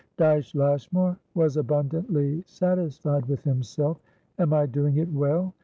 Dyce Lashmar was abundantly satisfied with himself. "Am I doing it well?"